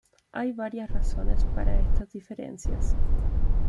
Hay varias razones para estas diferencias.